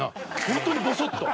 本当にボソッと。